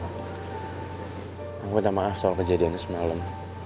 aku minta maaf soal kejadian semalam